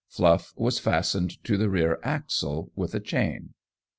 Fluff was fastened to the rear axle with a chain.